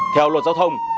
theo luật giao thông